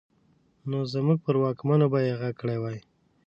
نو زموږ پر واکمنو به يې غږ کړی وای.